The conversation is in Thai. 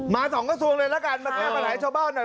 สองกระทรวงเลยละกันมาแก้ปัญหาให้ชาวบ้านหน่อย